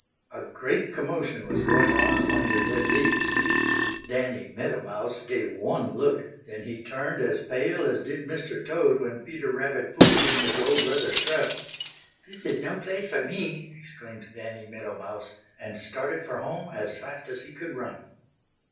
A great commotion was going on among the dead leaves. Danny Meadow Mouse gave one look, then he turned as pale as did Mr. Toad when Peter Rabbit fooled him with the old leather strap. "This is no place for me!" exclaimed Danny Meadow Mouse, and started for home as fast as he could run.